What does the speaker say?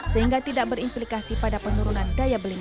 sehingga tidak berinfrasi dan tidak akan menyebabkan kegagalan